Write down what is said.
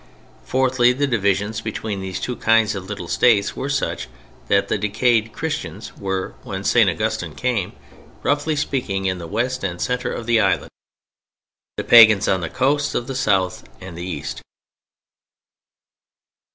Fourthly, the divisions between these two kinds of little states were such that the decayed Christians were, when St. Augustine came, roughly speaking in the West and centre of the island, the Pagans on the coasts of the South and the East.